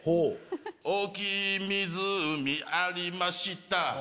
大きい湖ありました